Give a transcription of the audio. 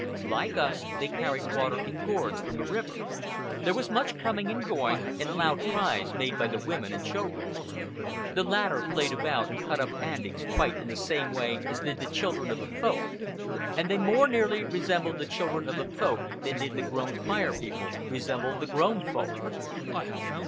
Like us, they carried water in gourds from the river. There was much coming and going, and loud cries made by the women and children. The latter played about and cut up antics quite in the same way as did the children of the Folk, and they more nearly resembled the children of the Folk than did the grown Fire People resemble the grown Folk.